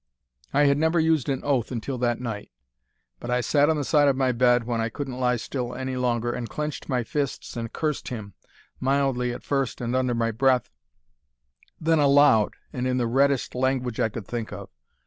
"I had never used an oath until that night. But I sat on the side of my bed, when I couldn't lie still any longer, and clenched my fists and cursed him, mildly at first and under my breath, then aloud and in the reddest language I could think of.